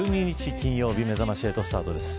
金曜日めざまし８スタートです。